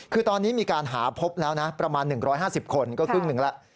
คือตอนนี้มีการหาพบแล้วนะประมาณ๑๕๐คนก็ครึ่งหนึ่งแล้ว